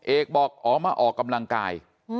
เอกบอกอ๋อมาออกกำลังกาย